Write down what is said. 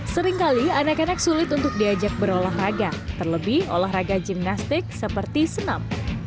seringkali anak anak sulit untuk diajak berolahraga terlebih olahraga gimnastik seperti senam